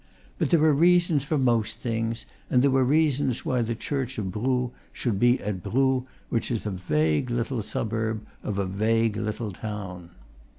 But there are reasons for most things, and there were reasons why the church of Brou should be at Brou, which is a vague little suburb of a vague little town.